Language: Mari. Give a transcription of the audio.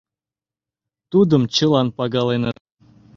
Тудым чылан пагаленыт.